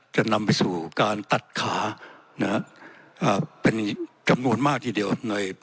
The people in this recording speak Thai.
จะนำไปสู่การตัดขานะฮะเป็นจำนวนมากทีเดียวใน